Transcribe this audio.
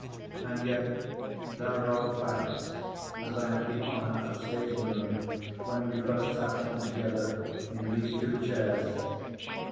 And yet there are the facts, as I had the honour of stating them when we first sat down together in these two chairs.